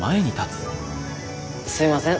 すいません